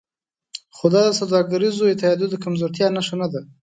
خو دا د سوداګریزو اتحادیو د کمزورتیا نښه نه ده